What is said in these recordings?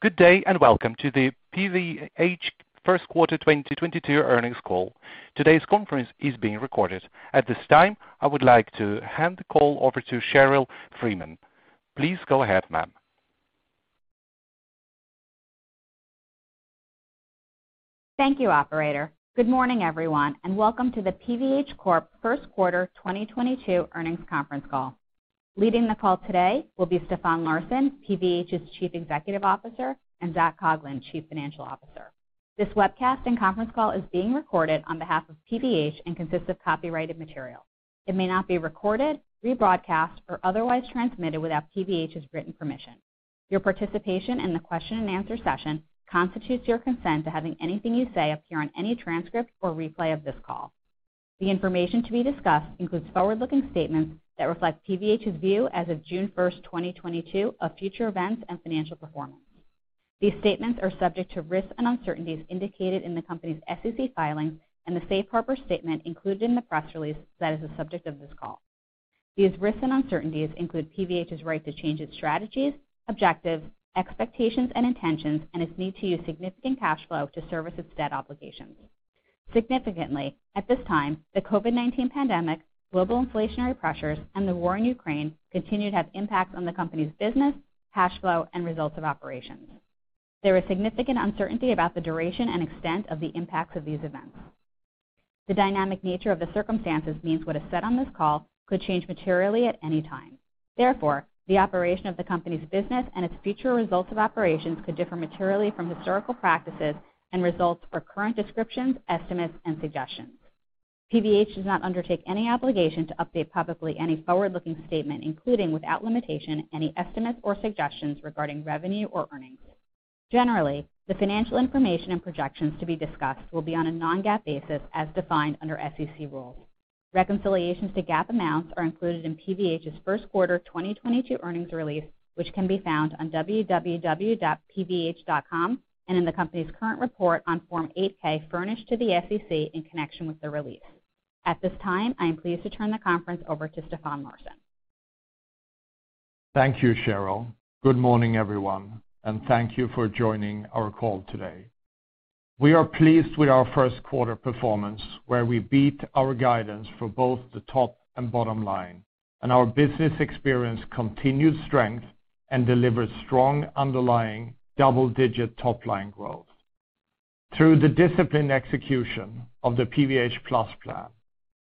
Good day, and welcome to the PVH Q1 2022 Earnings Call. Today's conference is being recorded. At this time, I would like to hand the call over to Sheryl Freeman. Please go ahead, ma'am. Thank you, operator. Good morning, everyone, and welcome to the PVH Corp Q1 2022 Earnings Conference Call. Leading the call today will be Stefan Larsson, PVH's Chief Executive Officer, and Zac Coughlin, Chief Financial Officer. This webcast and conference call is being recorded on behalf of PVH and consists of copyrighted material. It may not be recorded, rebroadcast, or otherwise transmitted without PVH's written permission. Your participation in the question-and-answer session constitutes your consent to having anything you say appear on any transcript or replay of this call. The information to be discussed includes forward-looking statements that reflect PVH's view as of June 1, 2022 of future events and financial performance. These statements are subject to risks and uncertainties indicated in the company's SEC filings and the safe harbor statement included in the press release that is the subject of this call. These risks and uncertainties include PVH's right to change its strategies, objectives, expectations, and intentions, and its need to use significant cash flow to service its debt obligations. Significantly, at this time, the COVID-19 pandemic, global inflationary pressures, and the war in Ukraine continue to have impacts on the company's business, cash flow, and results of operations. There is significant uncertainty about the duration and extent of the impacts of these events. The dynamic nature of the circumstances means what is said on this call could change materially at any time. Therefore, the operation of the company's business and its future results of operations could differ materially from historical practices and results or current descriptions, estimates, and suggestions. PVH does not undertake any obligation to update publicly any forward-looking statement, including without limitation any estimates or suggestions regarding revenue or earnings. Generally, the financial information and projections to be discussed will be on a non-GAAP basis as defined under SEC rules. Reconciliations to GAAP amounts are included in PVH's first quarter 2022 earnings release, which can be found on www.pvh.com and in the company's current report on Form 8-K furnished to the SEC in connection with the release. At this time, I am pleased to turn the conference over to Stefan Larsson. Thank you, Sheryl. Good morning, everyone, and thank you for joining our call today. We are pleased with our first quarter performance, where we beat our guidance for both the top and bottom line, and our business experienced continued strength and delivered strong underlying double-digit top-line growth. Through the disciplined execution of the PVH+ Plan,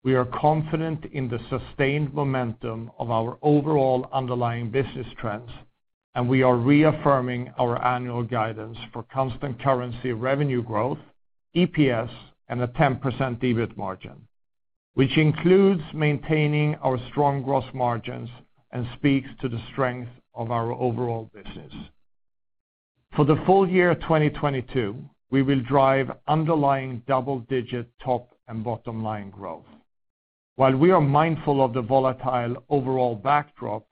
we are confident in the sustained momentum of our overall underlying business trends, and we are reaffirming our annual guidance for constant currency revenue growth, EPS, and a 10% EBIT margin, which includes maintaining our strong gross margins and speaks to the strength of our overall business. For the full year 2022, we will drive underlying double-digit top and bottom line growth. While we are mindful of the volatile overall backdrop,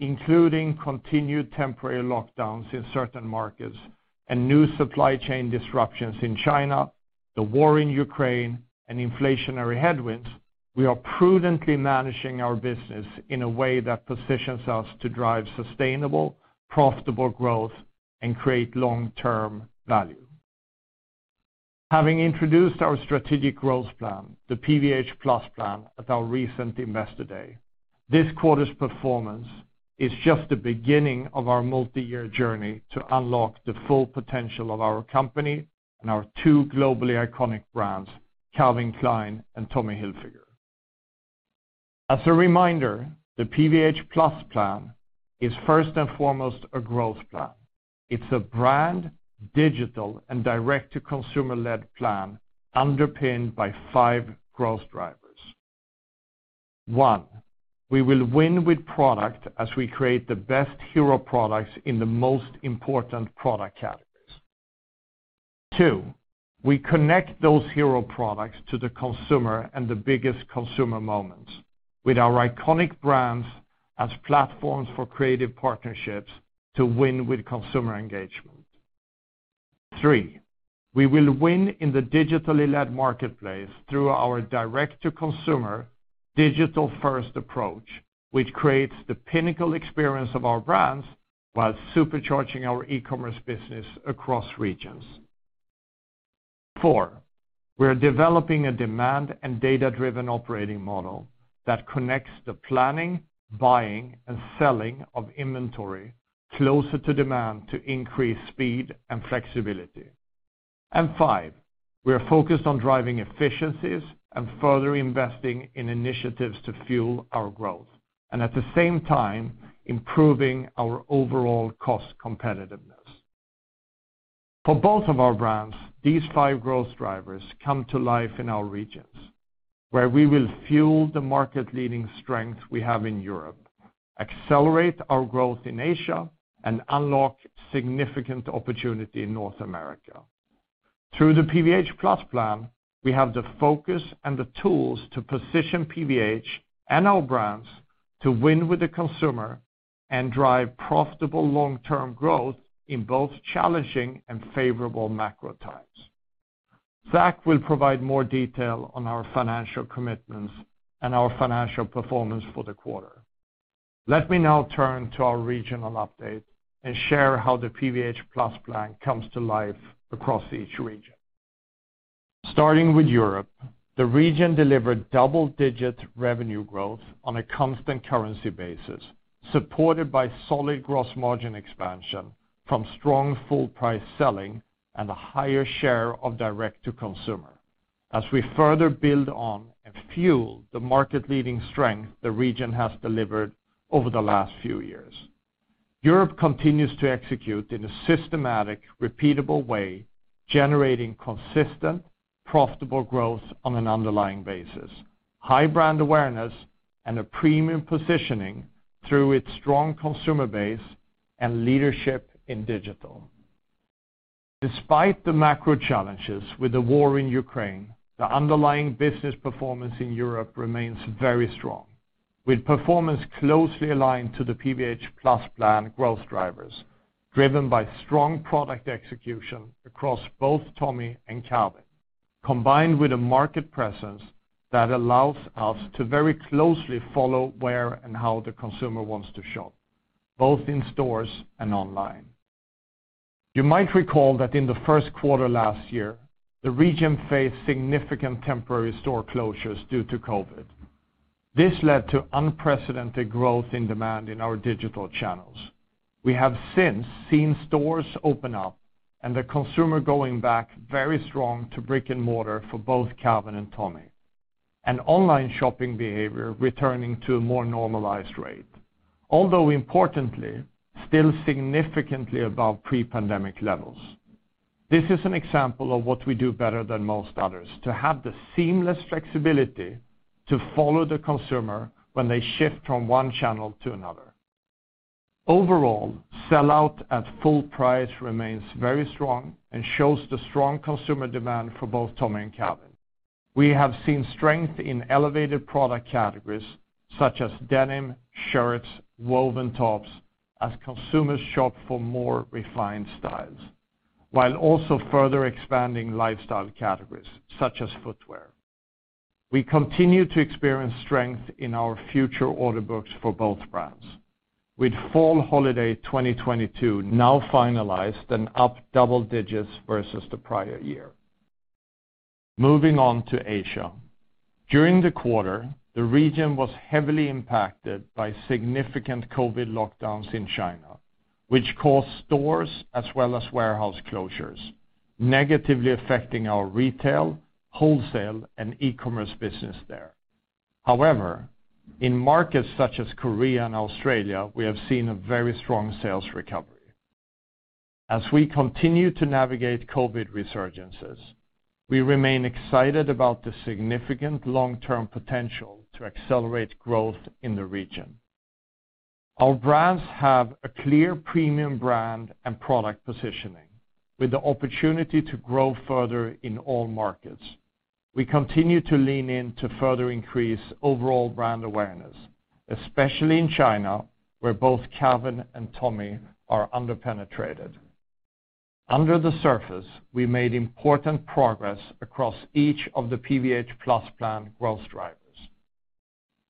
including continued temporary lockdowns in certain markets and new supply chain disruptions in China, the war in Ukraine, and inflationary headwinds, we are prudently managing our business in a way that positions us to drive sustainable, profitable growth and create long-term value. Having introduced our strategic growth plan, the PVH+ Plan, at our recent Investor Day, this quarter's performance is just the beginning of our multi-year journey to unlock the full potential of our company and our two globally iconic brands, Calvin Klein and Tommy Hilfiger. As a reminder, the PVH+ Plan is first and foremost a growth plan. It's a brand, digital, and direct-to-consumer-led plan underpinned by five growth drivers. One, we will win with product as we create the best hero products in the most important product categories. Two, we connect those hero products to the consumer and the biggest consumer moments with our iconic brands as platforms for creative partnerships to win with consumer engagement. Three, we will win in the digitally-led marketplace through our direct-to-consumer digital-first approach, which creates the pinnacle experience of our brands while supercharging our e-commerce business across regions. Four, we are developing a demand and data-driven operating model that connects the planning, buying, and selling of inventory closer to demand to increase speed and flexibility. Five, we are focused on driving efficiencies and further investing in initiatives to fuel our growth and at the same time, improving our overall cost competitiveness. For both of our brands, these five growth drivers come to life in our regions, where we will fuel the market-leading strength we have in Europe, accelerate our growth in Asia, and unlock significant opportunity in North America. Through the PVH+ Plan, we have the focus and the tools to position PVH and our brands to win with the consumer and drive profitable long-term growth in both challenging and favorable macro times. Zac will provide more detail on our financial commitments and our financial performance for the quarter. Let me now turn to our regional update and share how the PVH+ Plan comes to life across each region. Starting with Europe, the region delivered double-digit revenue growth on a constant currency basis, supported by solid gross margin expansion from strong full price selling and a higher share of direct to consumer as we further build on and fuel the market-leading strength the region has delivered over the last few years. Europe continues to execute in a systematic, repeatable way, generating consistent, profitable growth on an underlying basis, high brand awareness, and a premium positioning through its strong consumer base and leadership in digital. Despite the macro challenges with the war in Ukraine, the underlying business performance in Europe remains very strong, with performance closely aligned to the PVH+ Plan growth drivers, driven by strong product execution across both Tommy and Calvin, combined with a market presence that allows us to very closely follow where and how the consumer wants to shop, both in stores and online. You might recall that in the first quarter last year, the region faced significant temporary store closures due to COVID. This led to unprecedented growth in demand in our digital channels. We have since seen stores open up and the consumer going back very strong to brick-and-mortar for both Calvin and Tommy, and online shopping behavior returning to a more normalized rate, although importantly, still significantly above pre-pandemic levels. This is an example of what we do better than most others, to have the seamless flexibility to follow the consumer when they shift from one channel to another. Overall, sell-out at full price remains very strong and shows the strong consumer demand for both Tommy and Calvin. We have seen strength in elevated product categories, such as denim, shirts, woven tops, as consumers shop for more refined styles, while also further expanding lifestyle categories, such as footwear. We continue to experience strength in our future order books for both brands, with fall holiday 2022 now finalized and up double digits versus the prior year. Moving on to Asia. During the quarter, the region was heavily impacted by significant COVID lockdowns in China, which caused stores as well as warehouse closures, negatively affecting our retail, wholesale, and e-commerce business there. However, in markets such as Korea and Australia, we have seen a very strong sales recovery. As we continue to navigate COVID resurgences, we remain excited about the significant long-term potential to accelerate growth in the region. Our brands have a clear premium brand and product positioning with the opportunity to grow further in all markets. We continue to lean in to further increase overall brand awareness, especially in China, where both Calvin and Tommy are under-penetrated. Under the surface, we made important progress across each of the PVH+ Plan growth drivers.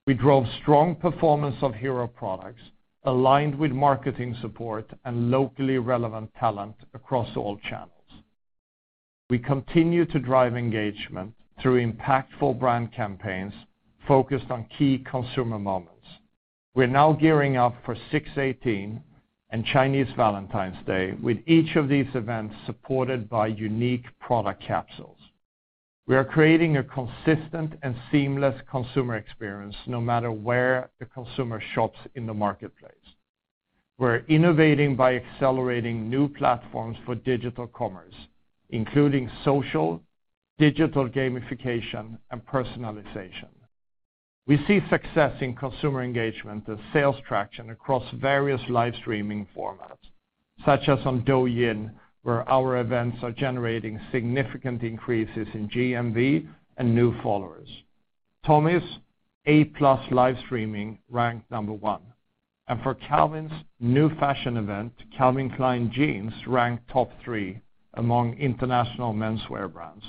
We drove strong performance of hero products, aligned with marketing support and locally relevant talent across all channels. We continue to drive engagement through impactful brand campaigns focused on key consumer moments. We're now gearing up for 618 and Chinese Valentine's Day, with each of these events supported by unique product capsules. We are creating a consistent and seamless consumer experience, no matter where the consumer shops in the marketplace. We're innovating by accelerating new platforms for digital commerce, including social, digital gamification, and personalization. We see success in consumer engagement and sales traction across various live streaming formats, such as on Douyin, where our events are generating significant increases in GMV and new followers. Tommy's A+ live streaming ranked number one. For Calvin's new fashion event, Calvin Klein Jeans ranked top three among international menswear brands,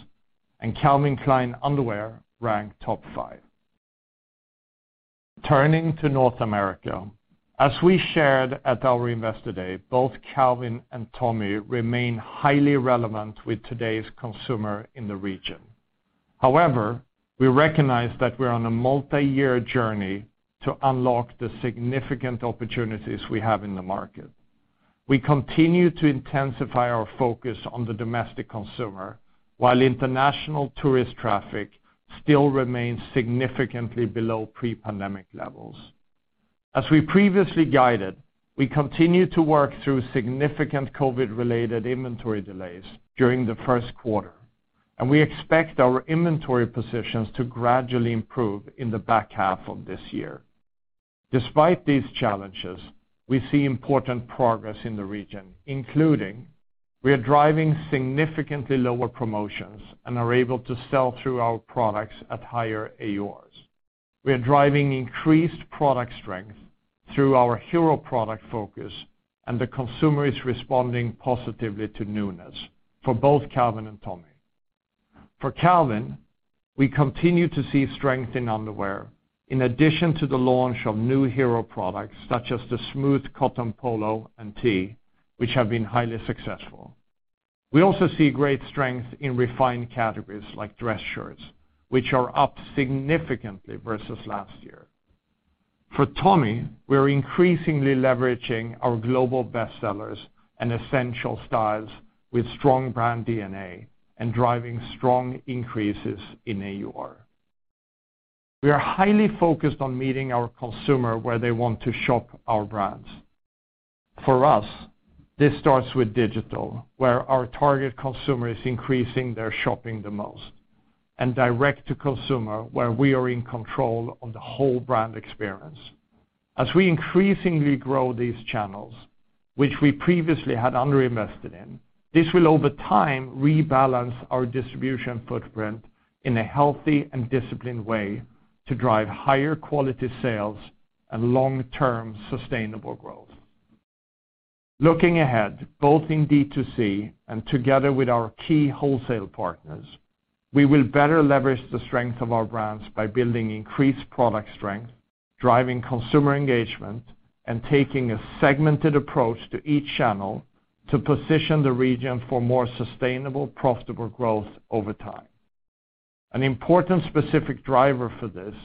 and Calvin Klein Underwear ranked top five. Turning to North America. As we shared at our Investor Day, both Calvin and Tommy remain highly relevant with today's consumer in the region. However, we recognize that we're on a multi-year journey to unlock the significant opportunities we have in the market. We continue to intensify our focus on the domestic consumer, while international tourist traffic still remains significantly below pre-pandemic levels. As we previously guided, we continue to work through significant COVID-related inventory delays during the first quarter, and we expect our inventory positions to gradually improve in the back half of this year. Despite these challenges, we see important progress in the region, including, we are driving significantly lower promotions and are able to sell through our products at higher AURs. We are driving increased product strength through our hero product focus, and the consumer is responding positively to newness for both Calvin and Tommy. For Calvin, we continue to see strength in underwear in addition to the launch of new hero products, such as the smooth cotton polo and tee, which have been highly successful. We also see great strength in refined categories like dress shirts, which are up significantly versus last year. For Tommy, we're increasingly leveraging our global bestsellers and essential styles with strong brand DNA and driving strong increases in AUR. We are highly focused on meeting our consumer where they want to shop our brands. For us, this starts with digital, where our target consumer is increasing their shopping the most, and direct to consumer, where we are in control of the whole brand experience. As we increasingly grow these channels, which we previously had underinvested in, this will, over time, rebalance our distribution footprint in a healthy and disciplined way to drive higher quality sales and long-term sustainable growth. Looking ahead, both in D2C and together with our key wholesale partners, we will better leverage the strength of our brands by building increased product strength, driving consumer engagement, and taking a segmented approach to each channel to position the region for more sustainable, profitable growth over time. An important specific driver for this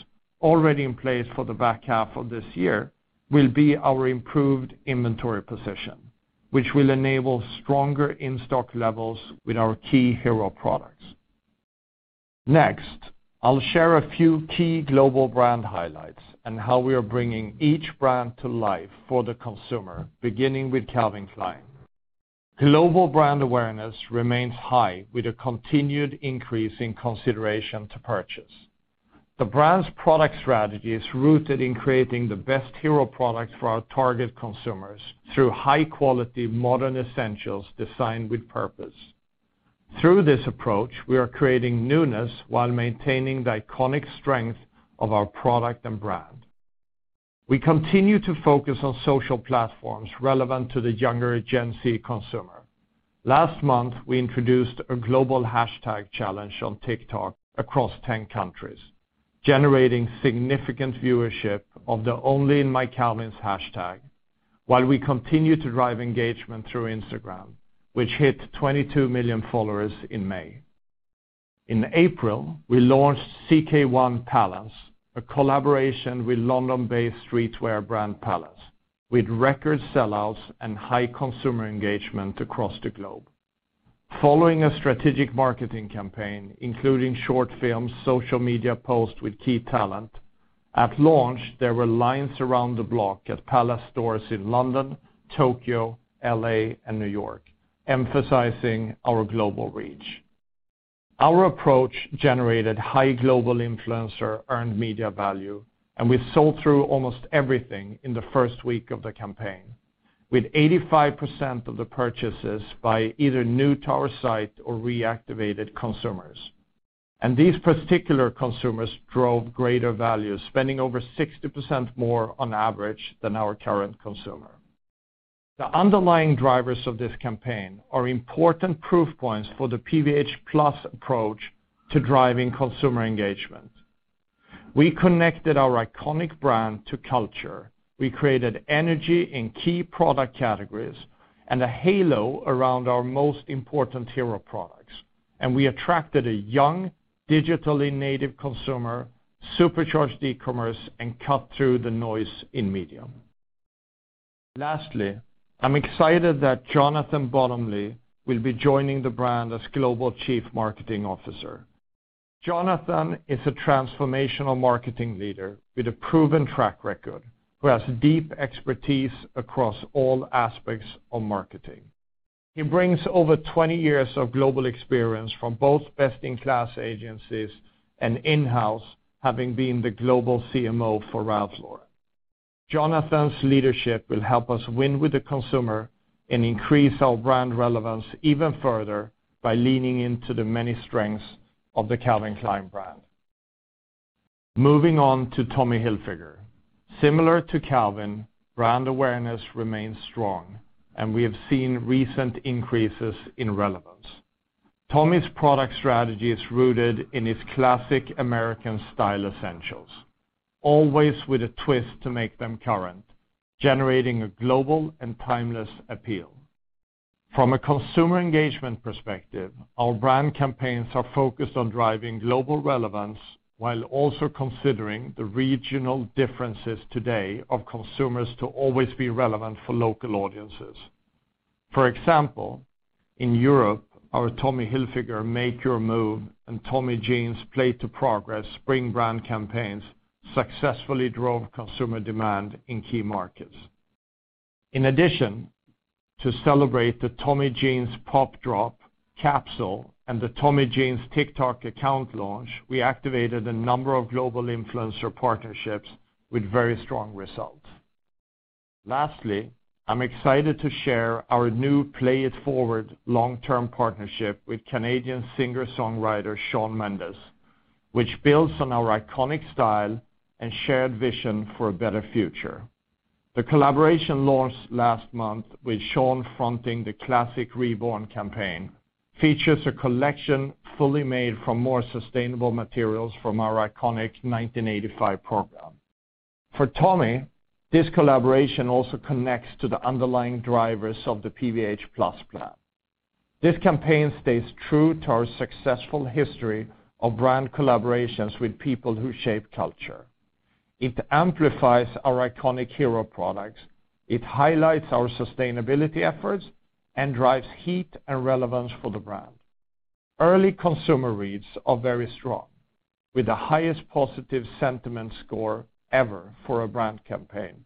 already in place for the back half of this year will be our improved inventory position, which will enable stronger in-stock levels with our key hero products. Next, I'll share a few key global brand highlights and how we are bringing each brand to life for the consumer, beginning with Calvin Klein. Global brand awareness remains high with a continued increase in consideration to purchase. The brand's product strategy is rooted in creating the best hero product for our target consumers through high quality, modern essentials designed with purpose. Through this approach, we are creating newness while maintaining the iconic strength of our product and brand. We continue to focus on social platforms relevant to the younger Gen Z consumer. Last month, we introduced a global hashtag challenge on TikTok across ten countries, generating significant viewership of the #MyCalvins hashtag, while we continue to drive engagement through Instagram, which hit 22 million followers in May. In April, we launched CK1 Palace, a collaboration with London-based streetwear brand Palace, with record sellouts and high consumer engagement across the globe. Following a strategic marketing campaign, including short films, social media posts with key talent, at launch, there were lines around the block at Palace stores in London, Tokyo, L.A., and New York, emphasizing our global reach. Our approach generated high global influencer earned media value, and we sold through almost everything in the first week of the campaign, with 85% of the purchases by either new to our site or reactivated consumers. These particular consumers drove greater value, spending over 60% more on average than our current consumer. The underlying drivers of this campaign are important proof points for the PVH+ approach to driving consumer engagement. We connected our iconic brand to culture. We created energy in key product categories and a halo around our most important hero products, and we attracted a young, digitally native consumer, supercharged e-commerce, and cut through the noise in media. Lastly, I'm excited that Jonathan Bottomley will be joining the brand as Global Chief Marketing Officer. Jonathan is a transformational marketing leader with a proven track record who has deep expertise across all aspects of marketing. He brings over 20 years of global experience from both best-in-class agencies and in-house, having been the global CMO for Ralph Lauren. Jonathan's leadership will help us win with the consumer and increase our brand relevance even further by leaning into the many strengths of the Calvin Klein brand. Moving on to Tommy Hilfiger. Similar to Calvin, brand awareness remains strong, and we have seen recent increases in relevance. Tommy's product strategy is rooted in its classic American style essentials, always with a twist to make them current, generating a global and timeless appeal. From a consumer engagement perspective, our brand campaigns are focused on driving global relevance while also considering the regional differences today of consumers to always be relevant for local audiences. For example, in Europe, our Tommy Hilfiger Make Your Move and Tommy Jeans Play to Progress spring brand campaigns successfully drove consumer demand in key markets. In addition, to celebrate the Tommy Jeans Pop Drop capsule and the Tommy Jeans TikTok account launch, we activated a number of global influencer partnerships with very strong results. Lastly, I'm excited to share our new Play It Forward long-term partnership with Canadian singer-songwriter Shawn Mendes, which builds on our iconic style and shared vision for a better future. The collaboration launched last month with Shawn fronting the Classics Reborn campaign, features a collection fully made from more sustainable materials from our iconic 1985 program. For Tommy, this collaboration also connects to the underlying drivers of the PVH+ Plan. This campaign stays true to our successful history of brand collaborations with people who shape culture. It amplifies our iconic hero products. It highlights our sustainability efforts and drives heat and relevance for the brand. Early consumer reads are very strong, with the highest positive sentiment score ever for a brand campaign,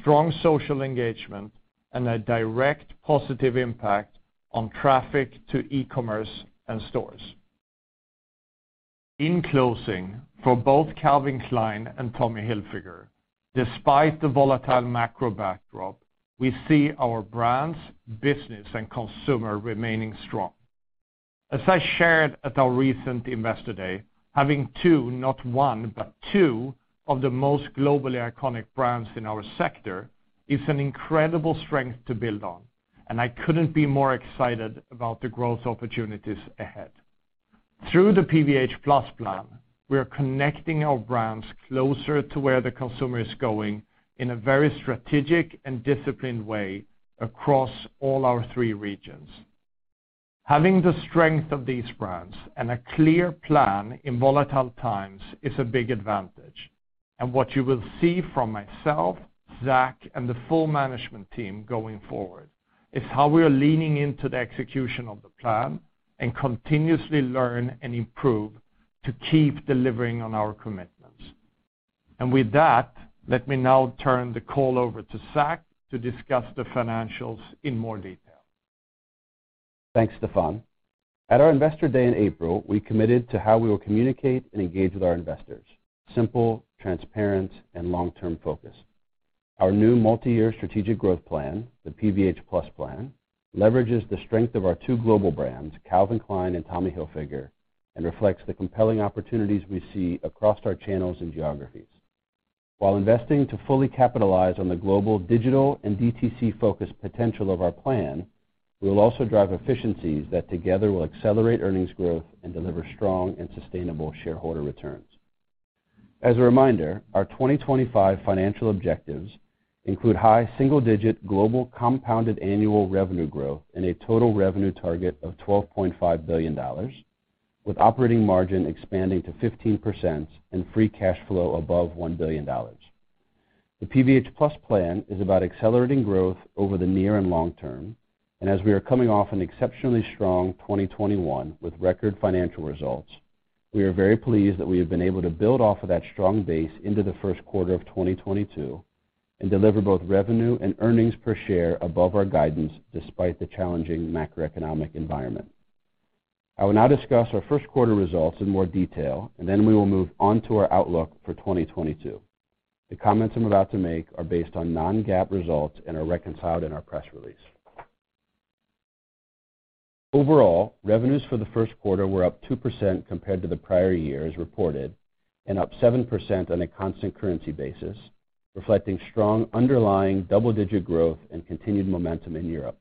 strong social engagement, and a direct positive impact on traffic to e-commerce and stores. In closing, for both Calvin Klein and Tommy Hilfiger, despite the volatile macro backdrop, we see our brands, business, and consumer remaining strong. As I shared at our recent Investor Day, having two, not one, but two of the most globally iconic brands in our sector is an incredible strength to build on, and I couldn't be more excited about the growth opportunities ahead. Through the PVH+ Plan, we are connecting our brands closer to where the consumer is going in a very strategic and disciplined way across all our three regions. Having the strength of these brands and a clear plan in volatile times is a big advantage, and what you will see from myself, Zac, and the full management team going forward is how we are leaning into the execution of the plan and continuously learn and improve to keep delivering on our commitments. With that, let me now turn the call over to Zac to discuss the financials in more detail. Thanks, Stefan. At our Investor Day in April, we committed to how we will communicate and engage with our investors, simple, transparent, and long-term focus. Our new multiyear strategic growth plan, the PVH+ plan, leverages the strength of our two global brands, Calvin Klein and Tommy Hilfiger, and reflects the compelling opportunities we see across our channels and geographies. While investing to fully capitalize on the global digital and DTC-focused potential of our plan, we will also drive efficiencies that together will accelerate earnings growth and deliver strong and sustainable shareholder returns. As a reminder, our 2025 financial objectives include high single-digit global compounded annual revenue growth and a total revenue target of $12.5 billion, with operating margin expanding to 15% and free cash flow above $1 billion. The PVH+ Plan is about accelerating growth over the near and long term, and as we are coming off an exceptionally strong 2021 with record financial results, we are very pleased that we have been able to build off of that strong base into the first quarter of 2022 and deliver both revenue and earnings per share above our guidance despite the challenging macroeconomic environment. I will now discuss our first quarter results in more detail, and then we will move on to our outlook for 2022. The comments I'm about to make are based on non-GAAP results and are reconciled in our press release. Overall, revenues for the first quarter were up 2% compared to the prior year as reported, and up 7% on a constant currency basis, reflecting strong underlying double-digit growth and continued momentum in Europe.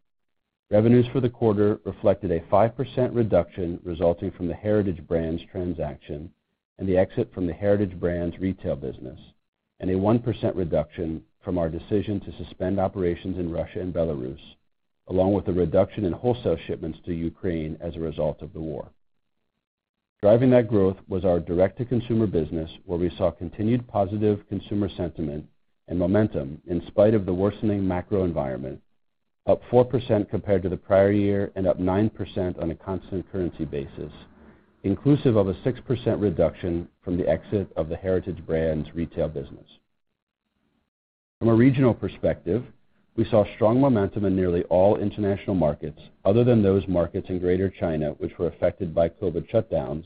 Revenues for the quarter reflected a 5% reduction resulting from the Heritage Brands transaction and the exit from the Heritage Brands retail business, and a 1% reduction from our decision to suspend operations in Russia and Belarus, along with the reduction in wholesale shipments to Ukraine as a result of the war. Driving that growth was our direct-to-consumer business, where we saw continued positive consumer sentiment and momentum in spite of the worsening macro environment, up 4% compared to the prior year and up 9% on a constant currency basis, inclusive of a 6% reduction from the exit of the Heritage Brands retail business. From a regional perspective, we saw strong momentum in nearly all international markets other than those markets in Greater China which were affected by COVID shutdowns,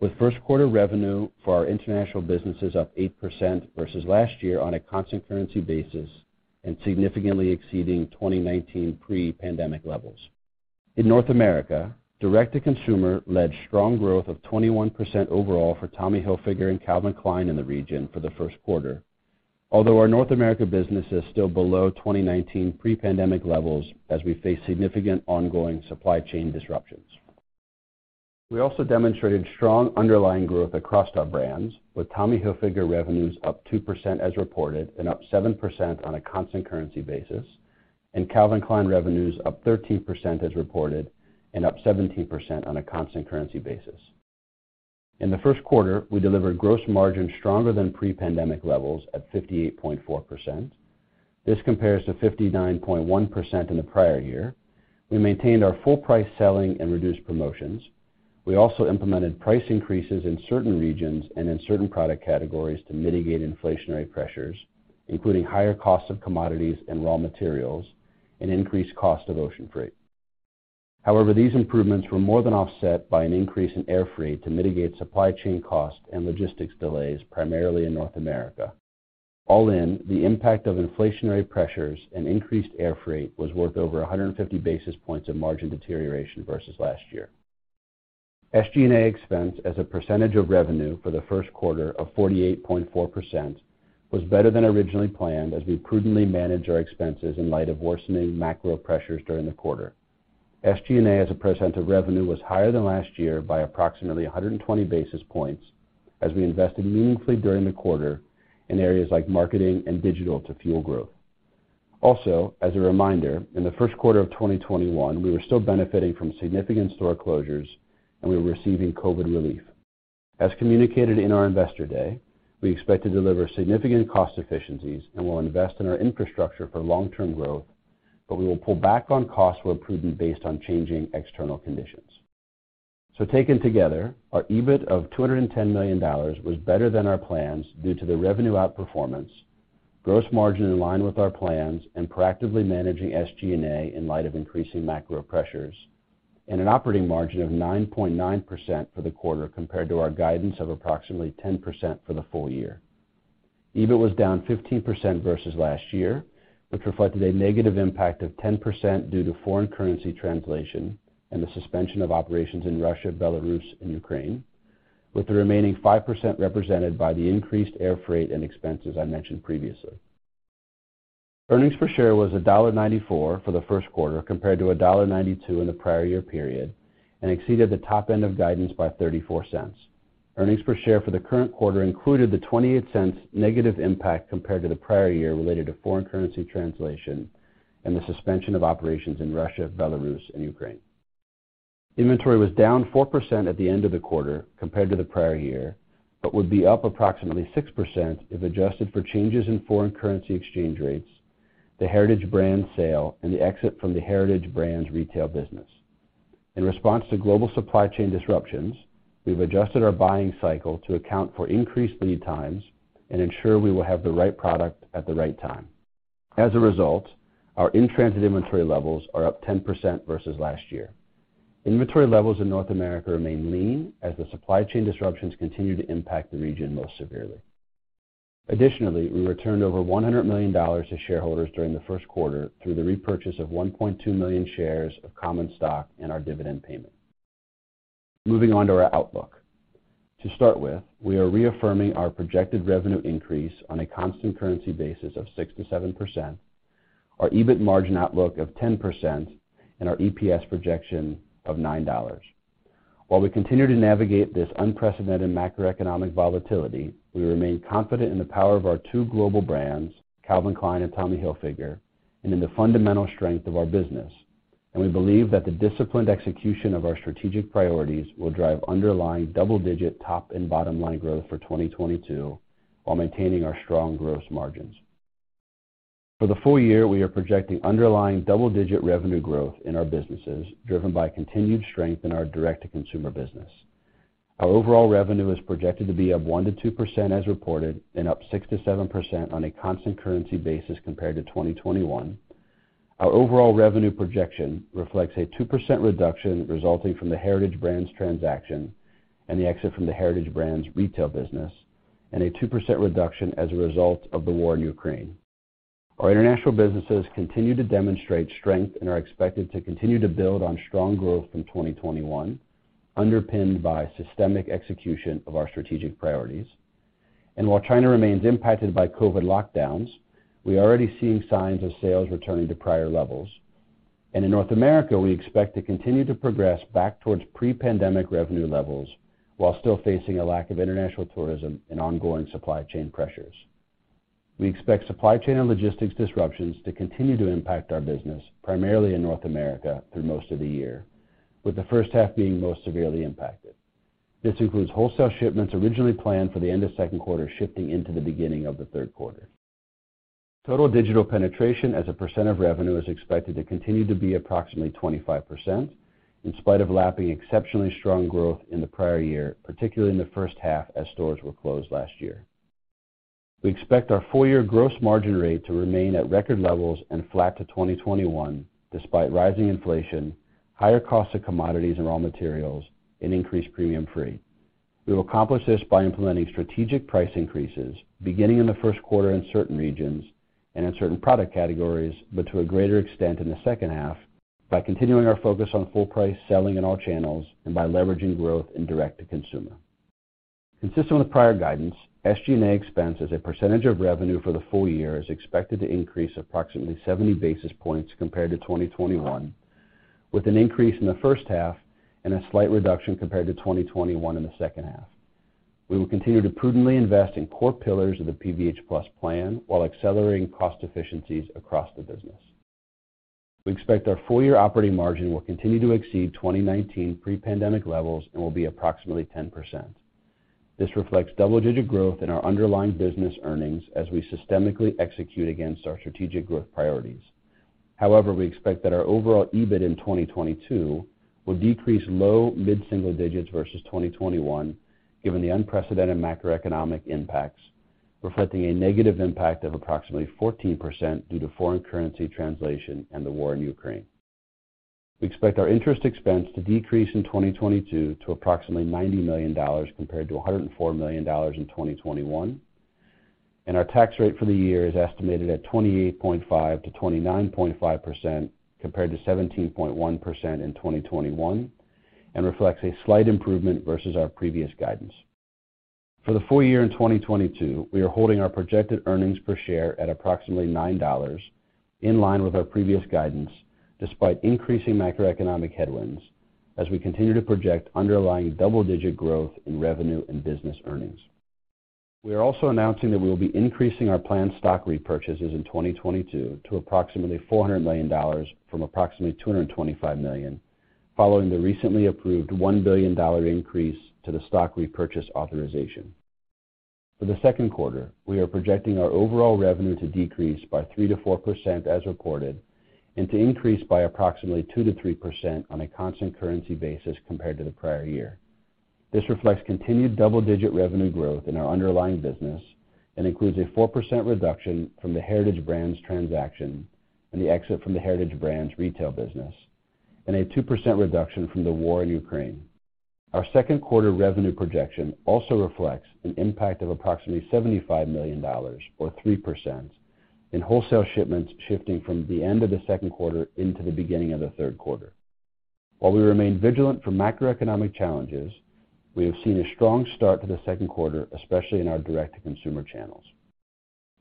with first quarter revenue for our international businesses up 8% versus last year on a constant currency basis and significantly exceeding 2019 pre-pandemic levels. In North America, direct-to-consumer led strong growth of 21% overall for Tommy Hilfiger and Calvin Klein in the region for the first quarter, although our North America business is still below 2019 pre-pandemic levels as we face significant ongoing supply chain disruptions. We also demonstrated strong underlying growth across our brands with Tommy Hilfiger revenues up 2% as reported and up 7% on a constant currency basis, and Calvin Klein revenues up 13% as reported and up 17% on a constant currency basis. In the first quarter, we delivered gross margin stronger than pre-pandemic levels at 58.4%. This compares to 59.1% in the prior year. We maintained our full price selling and reduced promotions. We also implemented price increases in certain regions and in certain product categories to mitigate inflationary pressures, including higher costs of commodities and raw materials and increased cost of ocean freight. However, these improvements were more than offset by an increase in air freight to mitigate supply chain costs and logistics delays, primarily in North America. All in, the impact of inflationary pressures and increased air freight was worth over 150 basis points of margin deterioration versus last year. SG&A expense as a percentage of revenue for the first quarter of 48.4% was better than originally planned as we prudently manage our expenses in light of worsening macro pressures during the quarter. SG&A as a % of revenue was higher than last year by approximately 120 basis points as we invested meaningfully during the quarter in areas like marketing and digital to fuel growth. Also, as a reminder, in the first quarter of 2021, we were still benefiting from significant store closures and we were receiving COVID relief. As communicated in our investor day, we expect to deliver significant cost efficiencies and will invest in our infrastructure for long-term growth, but we will pull back on costs where prudent based on changing external conditions. Taken together, our EBIT of $210 million was better than our plans due to the revenue outperformance, gross margin in line with our plans and proactively managing SG&A in light of increasing macro pressures, and an operating margin of 9.9% for the quarter compared to our guidance of approximately 10% for the full year. EBIT was down 15% versus last year, which reflected a negative impact of 10% due to foreign currency translation and the suspension of operations in Russia, Belarus, and Ukraine, with the remaining 5% represented by the increased air freight and expenses I mentioned previously. Earnings per share was $1.94 for the first quarter compared to $1.92 in the prior year period and exceeded the top end of guidance by $0.34. Earnings per share for the current quarter included the $0.28 negative impact compared to the prior year related to foreign currency translation and the suspension of operations in Russia, Belarus, and Ukraine. Inventory was down 4% at the end of the quarter compared to the prior year, but would be up approximately 6% if adjusted for changes in foreign currency exchange rates, the Heritage Brands sale, and the exit from the Heritage Brands retail business. In response to global supply chain disruptions, we've adjusted our buying cycle to account for increased lead times and ensure we will have the right product at the right time. As a result, our in-transit inventory levels are up 10% versus last year. Inventory levels in North America remain lean as the supply chain disruptions continue to impact the region most severely. Additionally, we returned over $100 million to shareholders during the first quarter through the repurchase of 1.2 million shares of common stock and our dividend payment. Moving on to our outlook. To start with, we are reaffirming our projected revenue increase on a constant currency basis of 6%-7%, our EBIT margin outlook of 10%, and our EPS projection of $9. While we continue to navigate this unprecedented macroeconomic volatility, we remain confident in the power of our two global brands, Calvin Klein and Tommy Hilfiger, and in the fundamental strength of our business. We believe that the disciplined execution of our strategic priorities will drive underlying double-digit top and bottom line growth for 2022 while maintaining our strong gross margins. For the full year, we are projecting underlying double-digit revenue growth in our businesses, driven by continued strength in our direct-to-consumer business. Our overall revenue is projected to be up 1%-2% as reported and up 6%-7% on a constant currency basis compared to 2021. Our overall revenue projection reflects a 2% reduction resulting from the Heritage Brands transaction and the exit from the Heritage Brands retail business, and a 2% reduction as a result of the war in Ukraine. Our international businesses continue to demonstrate strength and are expected to continue to build on strong growth from 2021, underpinned by systemic execution of our strategic priorities. While China remains impacted by COVID lockdowns, we are already seeing signs of sales returning to prior levels. In North America, we expect to continue to progress back towards pre-pandemic revenue levels while still facing a lack of international tourism and ongoing supply chain pressures. We expect supply chain and logistics disruptions to continue to impact our business, primarily in North America through most of the year, with the first half being most severely impacted. This includes wholesale shipments originally planned for the end of second quarter shifting into the beginning of the third quarter. Total digital penetration as a percent of revenue is expected to continue to be approximately 25% in spite of lapping exceptionally strong growth in the prior year, particularly in the first half as stores were closed last year. We expect our full year gross margin rate to remain at record levels and flat to 2021 despite rising inflation, higher cost of commodities and raw materials, and increased premium freight. We will accomplish this by implementing strategic price increases beginning in the first quarter in certain regions and in certain product categories, but to a greater extent in the second half by continuing our focus on full price selling in all channels and by leveraging growth in direct-to-consumer. Consistent with prior guidance, SG&A expense as a percentage of revenue for the full year is expected to increase approximately 70 basis points compared to 2021, with an increase in the first half and a slight reduction compared to 2021 in the second half. We will continue to prudently invest in core pillars of the PVH+ Plan while accelerating cost efficiencies across the business. We expect our full year operating margin will continue to exceed 2019 pre-pandemic levels and will be approximately 10%. This reflects double-digit growth in our underlying business earnings as we systemically execute against our strategic growth priorities. However, we expect that our overall EBIT in 2022 will decrease low- to mid-single digits versus 2021 given the unprecedented macroeconomic impacts. Reflecting a negative impact of approximately 14% due to foreign currency translation and the war in Ukraine. We expect our interest expense to decrease in 2022 to approximately $90 million compared to $104 million in 2021. Our tax rate for the year is estimated at 28.5%-29.5% compared to 17.1% in 2021, and reflects a slight improvement versus our previous guidance. For the full year in 2022, we are holding our projected earnings per share at approximately $9, in line with our previous guidance, despite increasing macroeconomic headwinds as we continue to project underlying double-digit growth in revenue and business earnings. We are also announcing that we will be increasing our planned stock repurchases in 2022 to approximately $400 million from approximately $225 million, following the recently approved $1 billion increase to the stock repurchase authorization. For the second quarter, we are projecting our overall revenue to decrease by 3%-4% as reported, and to increase by approximately 2%-3% on a constant currency basis compared to the prior year. This reflects continued double-digit revenue growth in our underlying business and includes a 4% reduction from the Heritage Brands transaction and the exit from the Heritage Brands retail business, and a 2% reduction from the war in Ukraine. Our second quarter revenue projection also reflects an impact of approximately $75 million or 3% in wholesale shipments shifting from the end of the second quarter into the beginning of the third quarter. While we remain vigilant for macroeconomic challenges, we have seen a strong start to the second quarter, especially in our direct-to-consumer channels.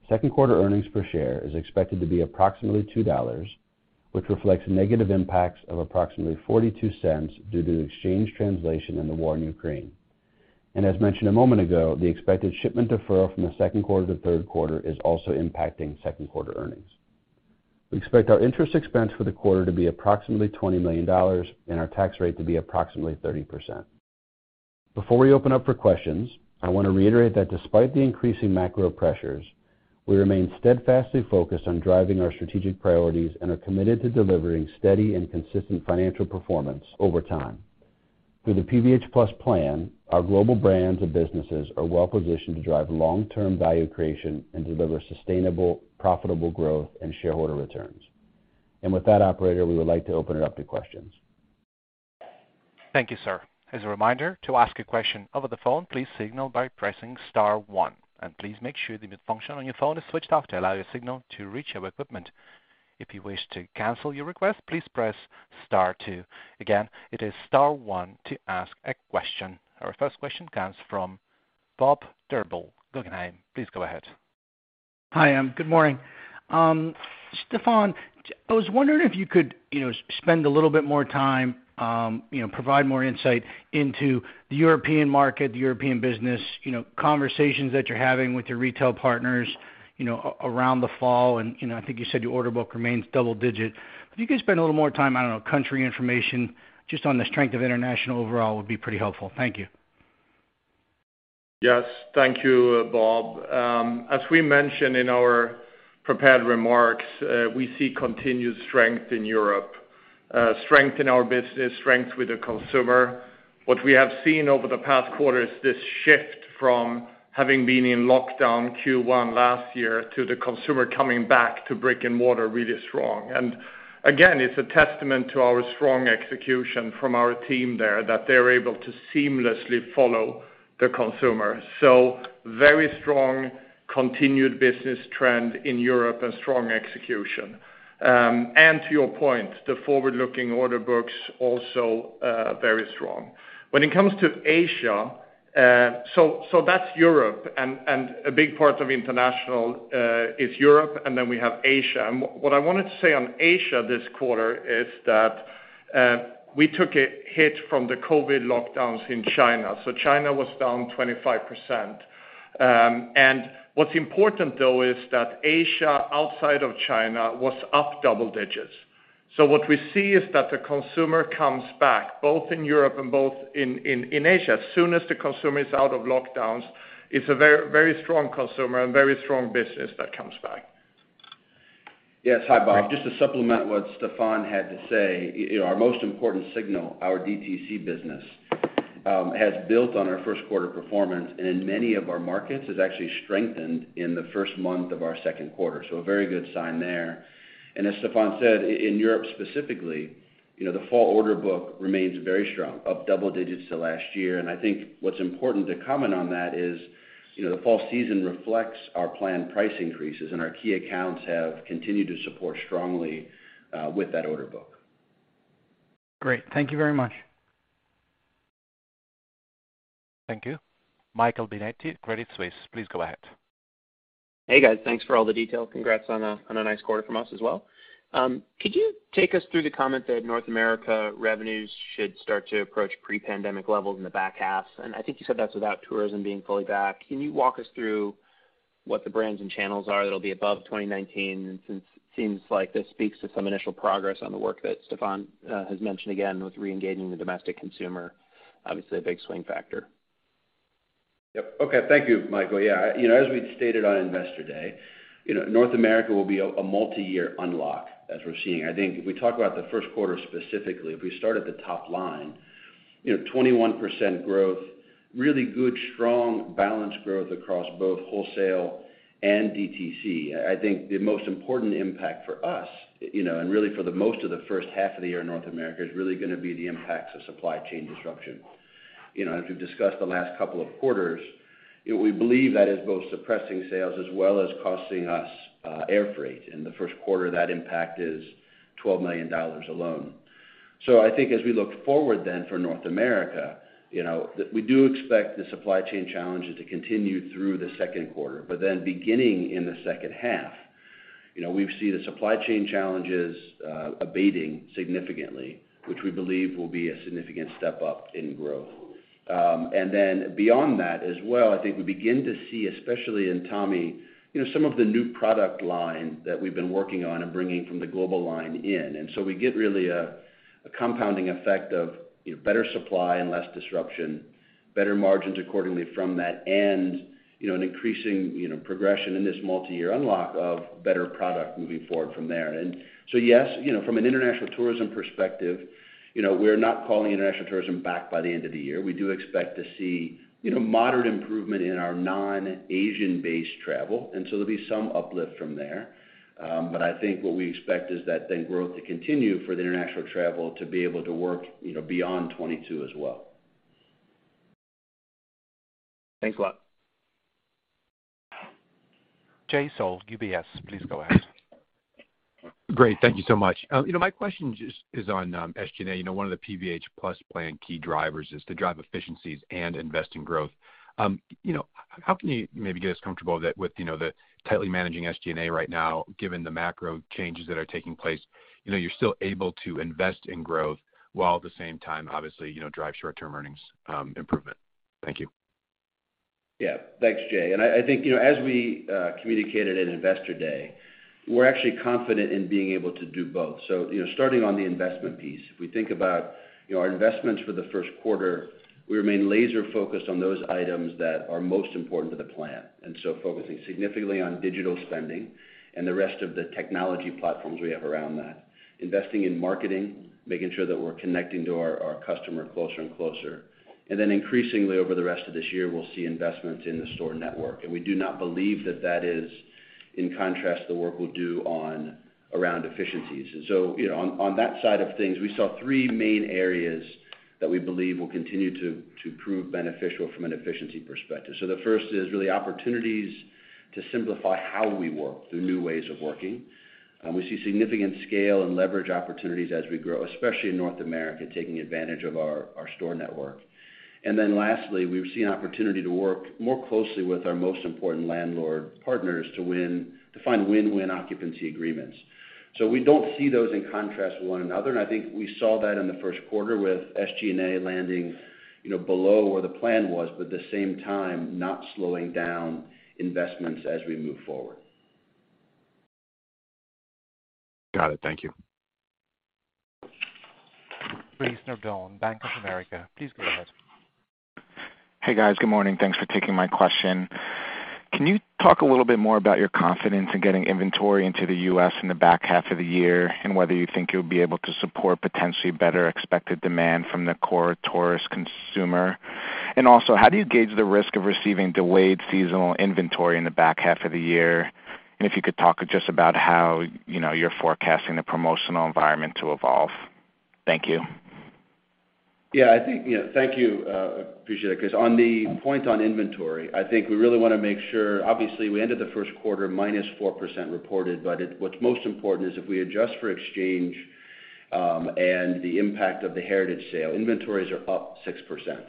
Second quarter earnings per share is expected to be approximately $2, which reflects negative impacts of approximately $0.42 due to exchange translation and the war in Ukraine. As mentioned a moment ago, the expected shipment deferral from the second quarter to third quarter is also impacting second quarter earnings. We expect our interest expense for the quarter to be approximately $20 million and our tax rate to be approximately 30%. Before we open up for questions, I wanna reiterate that despite the increasing macro pressures, we remain steadfastly focused on driving our strategic priorities and are committed to delivering steady and consistent financial performance over time. Through the PVH+ Plan, our global brands and businesses are well positioned to drive long-term value creation and deliver sustainable, profitable growth and shareholder returns. With that operator, we would like to open it up to questions. Thank you, sir. As a reminder, to ask a question over the phone, please signal by pressing star one. Please make sure the mute function on your phone is switched off to allow your signal to reach our equipment. If you wish to cancel your request, please press star two. Again, it is star one to ask a question. Our first question comes from Bob Drbul, Guggenheim. Please go ahead. Hi, good morning. Stefan, I was wondering if you could, you know, spend a little bit more time, you know, provide more insight into the European market, the European business, you know, conversations that you're having with your retail partners, you know, around the fall. You know, I think you said your order book remains double digit. If you could spend a little more time, I don't know, country information just on the strength of international overall would be pretty helpful. Thank you. Yes, thank you, Bob. As we mentioned in our prepared remarks, we see continued strength in Europe, strength in our business, strength with the consumer. What we have seen over the past quarter is this shift from having been in lockdown Q1 last year to the consumer coming back to brick-and-mortar really strong. Again, it's a testament to our strong execution from our team there that they're able to seamlessly follow the consumer. Very strong continued business trend in Europe and strong execution. To your point, the forward-looking order books also very strong. When it comes to Asia. That's Europe and a big part of international is Europe, and then we have Asia. What I wanted to say on Asia this quarter is that we took a hit from the COVID lockdowns in China. China was down 25%. What's important though is that Asia, outside of China, was up double digits. What we see is that the consumer comes back, both in Europe and in Asia. As soon as the consumer is out of lockdowns, it's a very, very strong consumer and very strong business that comes back. Yes. Hi, Bob. Just to supplement what Stefan had to say, you know, our most important signal, our DTC business, has built on our first quarter performance, and in many of our markets has actually strengthened in the first month of our second quarter. A very good sign there. As Stefan said, in Europe specifically, you know, the fall order book remains very strong, up double digits to last year. I think what's important to comment on that is, you know, the fall season reflects our planned price increases, and our key accounts have continued to support strongly with that order book. Great. Thank you very much. Thank you. Michael Binetti, Credit Suisse, please go ahead. Hey, guys. Thanks for all the detail. Congrats on a nice quarter from us as well. Could you take us through the comment that North America revenues should start to approach pre-pandemic levels in the back half? I think you said that's without tourism being fully back. Can you walk us through what the brands and channels are that'll be above 2019? Since it seems like this speaks to some initial progress on the work that Stefan has mentioned, again, with reengaging the domestic consumer, obviously a big swing factor. Yep. Okay. Thank you, Michael. Yeah. You know, as we'd stated on Investor Day, you know, North America will be a multiyear unlock, as we're seeing. I think if we talk about the first quarter specifically, if we start at the top line. You know, 21% growth, really good, strong, balanced growth across both wholesale and DTC. I think the most important impact for us, you know, and really for the most of the first half of the year in North America, is really gonna be the impacts of supply chain disruption. You know, as we've discussed the last couple of quarters, we believe that is both suppressing sales as well as costing us, air freight. In the first quarter, that impact is $12 million alone. I think as we look forward then for North America, you know, we do expect the supply chain challenges to continue through the second quarter. Then beginning in the second half, you know, we see the supply chain challenges abating significantly, which we believe will be a significant step up in growth. Then beyond that as well, I think we begin to see, especially in Tommy, you know, some of the new product line that we've been working on and bringing from the global line in. We get really a compounding effect of, you know, better supply and less disruption, better margins accordingly from that, and, you know, an increasing, you know, progression in this multiyear unlock of better product moving forward from there. Yes, you know, from an international tourism perspective, you know, we're not calling international tourism back by the end of the year. We do expect to see, you know, moderate improvement in our non-Asian-based travel, and so there'll be some uplift from there. I think what we expect is that then growth to continue for the international travel to be able to work, you know, beyond 2022 as well. Thanks a lot. Jay Sole, UBS, please go ahead. Great. Thank you so much. You know, my question just is on SG&A. You know, one of the PVH+ Plan key drivers is to drive efficiencies and invest in growth. You know, how can you maybe get us comfortable that with, you know, you're tightly managing SG&A right now, given the macro changes that are taking place, you know, you're still able to invest in growth while at the same time obviously, you know, drive short-term earnings improvement? Thank you. Yeah. Thanks, Jay. I think, you know, as we communicated at Investor Day, we're actually confident in being able to do both. You know, starting on the investment piece. If we think about, you know, our investments for the first quarter, we remain laser-focused on those items that are most important to the plan, and so focusing significantly on digital spending and the rest of the technology platforms we have around that. Investing in marketing, making sure that we're connecting to our customer closer and closer. Then increasingly over the rest of this year, we'll see investments in the store network. We do not believe that that is in contrast to the work we'll do on around efficiencies. You know, on that side of things, we saw three main areas that we believe will continue to prove beneficial from an efficiency perspective. The first is really opportunities to simplify how we work through new ways of working. We see significant scale and leverage opportunities as we grow, especially in North America, taking advantage of our store network. Lastly, we've seen opportunity to work more closely with our most important landlord partners to find win-win occupancy agreements. We don't see those in contrast with one another, and I think we saw that in the first quarter with SG&A landing, you know, below where the plan was, but at the same time not slowing down investments as we move forward. Got it. Thank you. Lorraine Hutchinson, Bank of America. Please go ahead. Hey, guys. Good morning. Thanks for taking my question. Can you talk a little bit more about your confidence in getting inventory into the U.S. in the back half of the year, and whether you think you'll be able to support potentially better expected demand from the core tourist consumer? How do you gauge the risk of receiving delayed seasonal inventory in the back half of the year? If you could talk just about how, you know, you're forecasting the promotional environment to evolve. Thank you. Yeah, I think, yeah. Thank you. Appreciate it. 'Cause on the point on inventory, I think we really wanna make sure, obviously, we ended the first quarter minus 4% reported, but it, what's most important is if we adjust for exchange, and the impact of the Heritage sale, inventories are up 6%.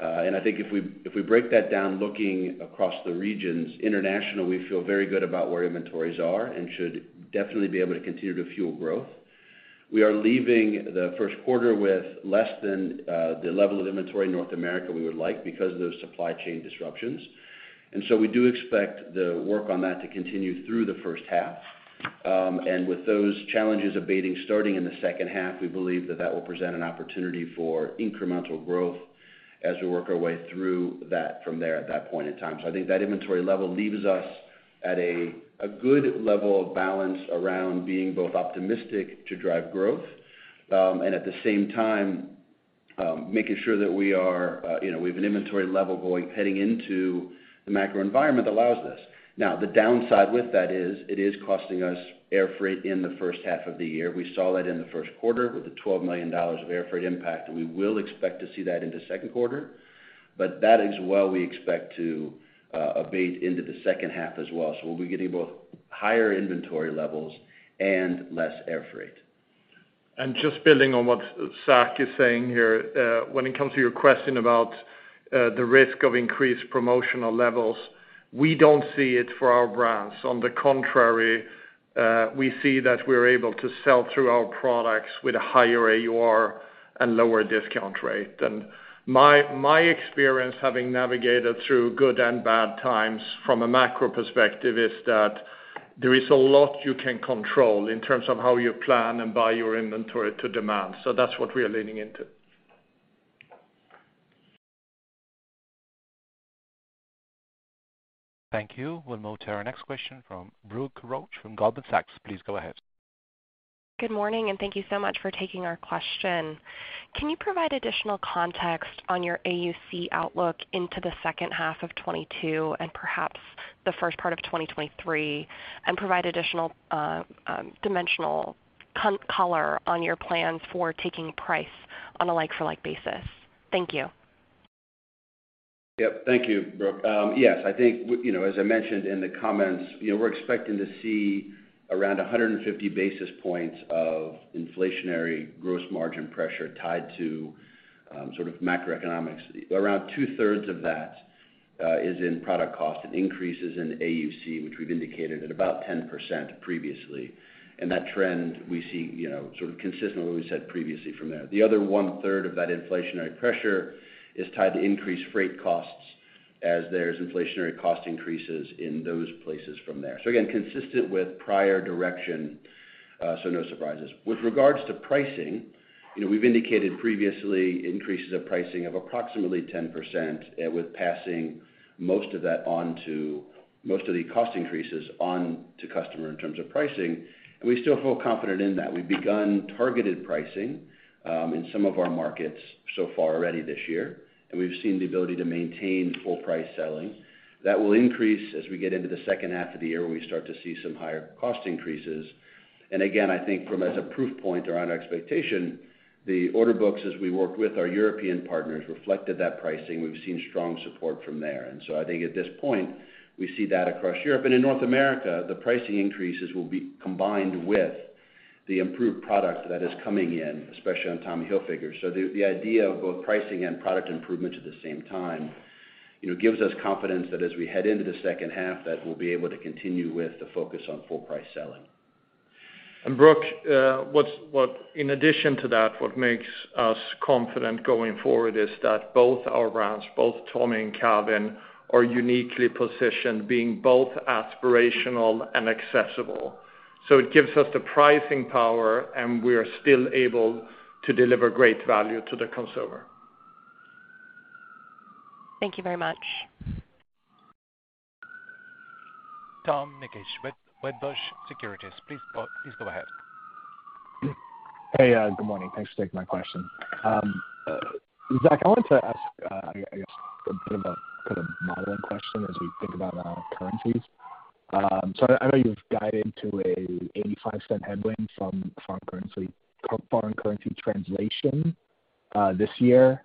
And I think if we break that down looking across the regions, international, we feel very good about where inventories are and should definitely be able to continue to fuel growth. We are leaving the first quarter with less than the level of inventory in North America we would like because of those supply chain disruptions. We do expect the work on that to continue through the first half. With those challenges abating starting in the second half, we believe that will present an opportunity for incremental growth as we work our way through that from there at that point in time. I think that inventory level leaves us at a good level of balance around being both optimistic to drive growth, and at the same time, making sure that we are, you know, we have an inventory level heading into the macro environment that allows this. Now, the downside with that is it is costing us air freight in the first half of the year. We saw that in the first quarter with the $12 million of air freight impact, and we will expect to see that into second quarter. That as well we expect to abate into the second half as well. We'll be getting both higher inventory levels and less air freight. Just building on what Zac is saying here, when it comes to your question about the risk of increased promotional levels, we don't see it for our brands. On the contrary, we see that we're able to sell through our products with a higher AUR and lower discount rate. My experience having navigated through good and bad times from a macro perspective is that there is a lot you can control in terms of how you plan and buy your inventory to demand. That's what we are leaning into. Thank you. We'll move to our next question from Brooke Roach from Goldman Sachs. Please go ahead. Good morning, and thank you so much for taking our question. Can you provide additional context on your AUC outlook into the second half of 2022 and perhaps the first part of 2023, and provide additional dimensional color on your plans for taking price on a like-for-like basis? Thank you. Yep. Thank you, Brooke. Yes. I think, you know, as I mentioned in the comments, you know, we're expecting to see around 150 basis points of inflationary gross margin pressure tied to sort of macroeconomics. Around two-thirds of that is in product cost and increases in AUC, which we've indicated at about 10% previously. That trend we see, you know, sort of consistent with what we said previously from there. The other one-third of that inflationary pressure is tied to increased freight costs as there's inflationary cost increases in those places from there. Again, consistent with prior direction, so no surprises. With regards to pricing, you know, we've indicated previously increases of pricing of approximately 10% with most of the cost increases on to customer in terms of pricing, and we still feel confident in that. We've begun targeted pricing in some of our markets so far already this year, and we've seen the ability to maintain full price selling. That will increase as we get into the second half of the year, where we start to see some higher cost increases. Again, I think from as a proof point around expectation, the order books as we worked with our European partners reflected that pricing. We've seen strong support from there. I think at this point, we see that across Europe. In North America, the pricing increases will be combined with the improved product that is coming in, especially on Tommy Hilfiger. The idea of both pricing and product improvements at the same time, you know, gives us confidence that as we head into the second half, that we'll be able to continue with the focus on full price selling. Brooke, in addition to that, what makes us confident going forward is that both our brands, both Tommy and Calvin, are uniquely positioned, being both aspirational and accessible. It gives us the pricing power, and we are still able to deliver great value to the consumer. Thank you very much. Tom Nikic, Wedbush Securities, please go ahead. Hey, good morning. Thanks for taking my question. Zac, I wanted to ask, I guess a bit of a kind of modeling question as we think about currencies. So I know you've guided to a $0.85 headwind from foreign currency translation this year.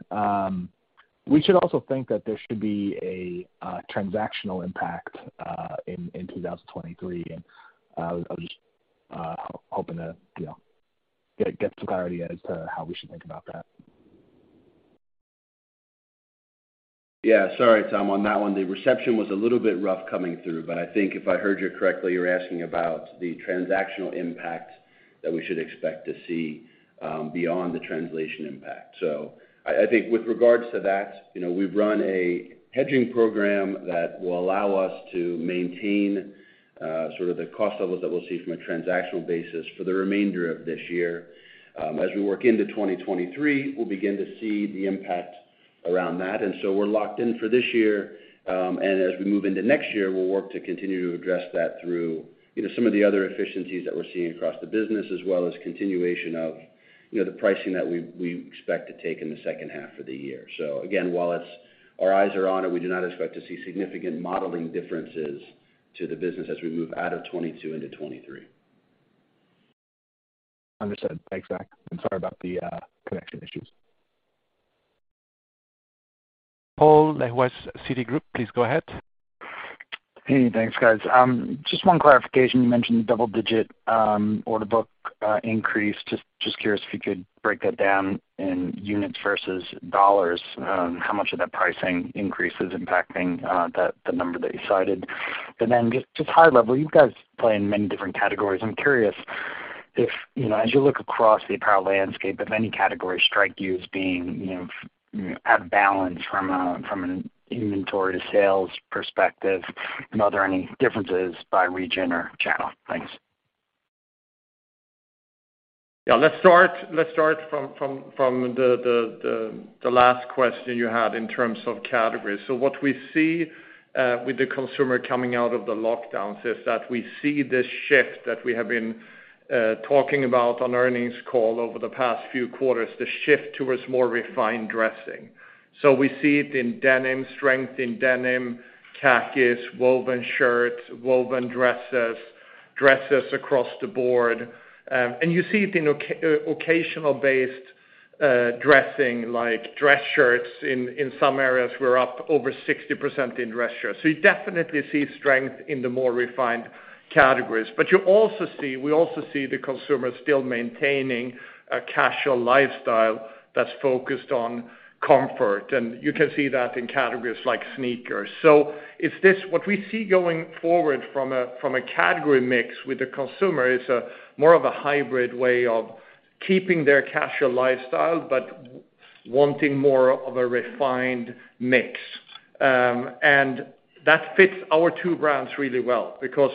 We should also think that there should be a transactional impact in 2023. I was just hoping to, you know, get some clarity as to how we should think about that. Yeah. Sorry, Tom, on that one. The reception was a little bit rough coming through, but I think if I heard you correctly, you're asking about the transactional impact that we should expect to see, beyond the translation impact. I think with regards to that, you know, we've run a hedging program that will allow us to maintain, sort of the cost levels that we'll see from a transactional basis for the remainder of this year. As we work into 2023, we'll begin to see the impact around that. We're locked in for this year, and as we move into next year, we'll work to continue to address that through, you know, some of the other efficiencies that we're seeing across the business as well as continuation of, you know, the pricing that we expect to take in the second half of the year. Again, while it's, our eyes are on it, we do not expect to see significant modeling differences to the business as we move out of 2022 into 2023. Understood. Thanks, Zac, and sorry about the connection issues. Paul Lejuez, Citigroup, please go ahead. Hey, thanks, guys. Just one clarification. You mentioned double-digit order book increase. Just curious if you could break that down in units versus dollars, how much of that pricing increase is impacting the number that you cited. Just high level, you guys play in many different categories. I'm curious if, you know, as you look across the apparel landscape, if any categories strike you as being, you know, out of balance from an inventory to sales perspective, and are there any differences by region or channel? Thanks. Yeah, let's start from the last question you had in terms of categories. What we see with the consumer coming out of the lockdowns is that we see this shift that we have been talking about on earnings call over the past few quarters, the shift towards more refined dressing. We see it in denim, strength in denim, khakis, woven shirts, woven dresses across the board. And you see it in occasional-based dressing like dress shirts. In some areas we're up over 60% in dress shirts. You definitely see strength in the more refined categories. You also see we also see the consumer still maintaining a casual lifestyle that's focused on comfort, and you can see that in categories like sneakers. What we see going forward from a category mix with the consumer is more of a hybrid way of keeping their casual lifestyle but wanting more of a refined mix. That fits our two brands really well because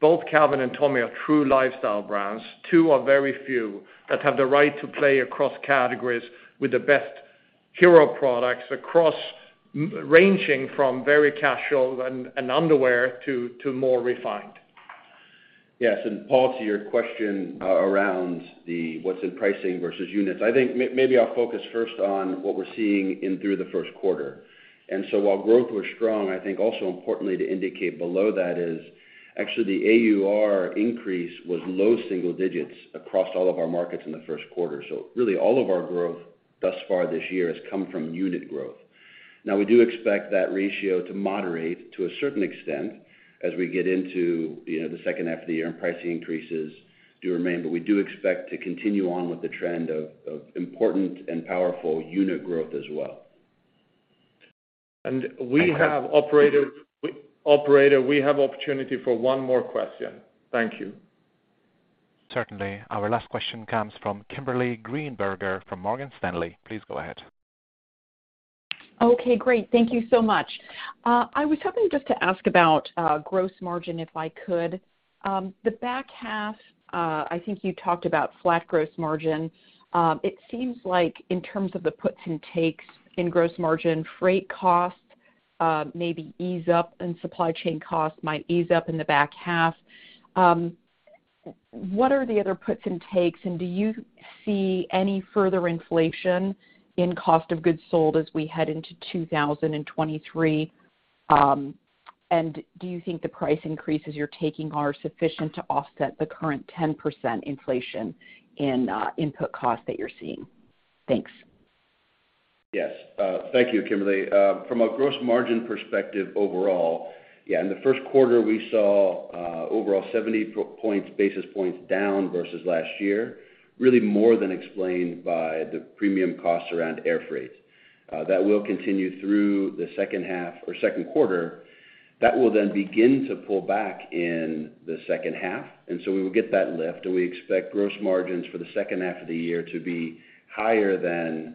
both Calvin and Tommy are true lifestyle brands, two of very few that have the right to play across categories with the best hero products ranging from very casual and underwear to more refined. Yes. Paul, to your question around what's in pricing versus units. I think maybe I'll focus first on what we're seeing in through the first quarter. While growth was strong, I think also importantly to indicate below that is actually the AUR increase was low single digits across all of our markets in the first quarter. So really all of our growth thus far this year has come from unit growth. Now we do expect that ratio to moderate to a certain extent as we get into, you know, the second half of the year and pricing increases do remain. But we do expect to continue on with the trend of important and powerful unit growth as well. Operator, we have opportunity for one more question. Thank you. Certainly. Our last question comes from Kimberly Greenberger from Morgan Stanley. Please go ahead. Okay, great. Thank you so much. I was hoping just to ask about gross margin, if I could. The back half, I think you talked about flat gross margin. It seems like in terms of the puts and takes in gross margin, freight costs maybe ease up and supply chain costs might ease up in the back half. What are the other puts and takes, and do you see any further inflation in cost of goods sold as we head into 2023? Do you think the price increases you're taking are sufficient to offset the current 10% inflation in input costs that you're seeing? Thanks. Yes. Thank you, Kimberly. From a gross margin perspective overall, yeah, in the first quarter, we saw overall 70 basis points down versus last year, really more than explained by the premium costs around air freight. That will continue through the second half or second quarter. That will then begin to pull back in the second half, and so we will get that lift, and we expect gross margins for the second half of the year to be higher than the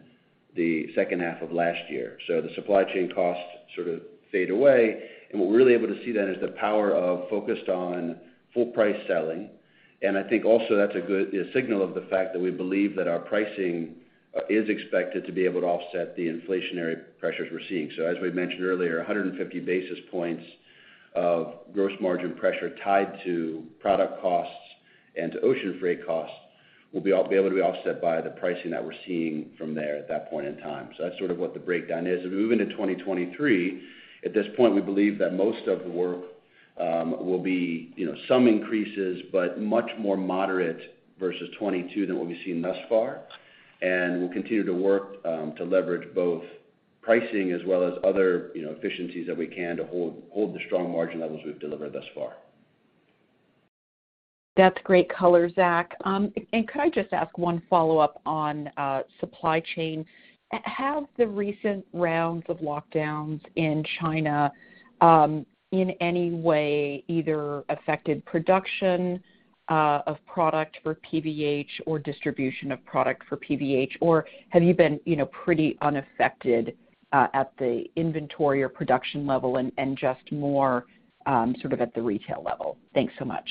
second half of last year. The supply chain costs sort of fade away. What we're really able to see then is the power of focused on full price selling. I think also that's a good, you know, signal of the fact that we believe that our pricing is expected to be able to offset the inflationary pressures we're seeing. As we mentioned earlier, 150 basis points of gross margin pressure tied to product costs and to ocean freight costs will be able to be offset by the pricing that we're seeing from there at that point in time. That's sort of what the breakdown is. Moving to 2023, at this point, we believe that most of the work will be, you know, some increases, but much more moderate versus 2022 than what we've seen thus far. We'll continue to work to leverage both pricing as well as other, you know, efficiencies that we can to hold the strong margin levels we've delivered thus far. That's great color, Zac. And could I just ask one follow-up on supply chain? Have the recent rounds of lockdowns in China in any way either affected production of product for PVH or distribution of product for PVH? Or have you been, you know, pretty unaffected at the inventory or production level and just more sort of at the retail level? Thanks so much.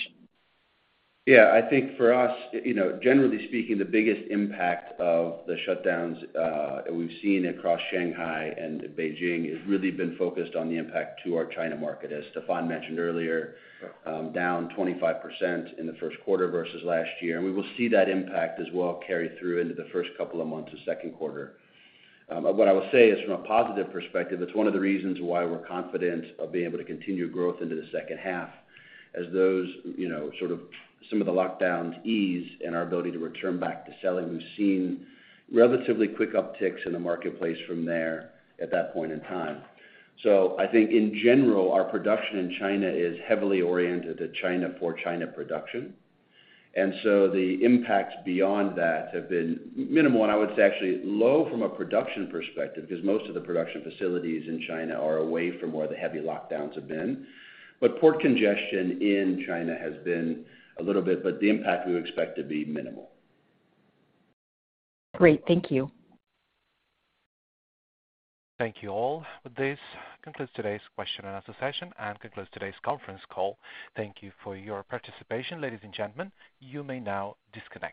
Yeah. I think for us, you know, generally speaking, the biggest impact of the shutdowns we've seen across Shanghai and Beijing has really been focused on the impact to our China market. As Stefan mentioned earlier, down 25% in the first quarter versus last year. We will see that impact as well carry through into the first couple of months of second quarter. What I will say is from a positive perspective, it's one of the reasons why we're confident of being able to continue growth into the second half. As those, you know, sort of some of the lockdowns ease and our ability to return back to selling, we've seen relatively quick upticks in the marketplace from there at that point in time. I think in general, our production in China is heavily oriented to China for China production. The impacts beyond that have been minimal. I would say actually low from a production perspective, because most of the production facilities in China are away from where the heavy lockdowns have been. Port congestion in China has been a little bit, but the impact we expect to be minimal. Great. Thank you. Thank you all. With this, concludes today's question and answer session and concludes today's conference call. Thank you for your participation. Ladies and gentlemen, you may now disconnect.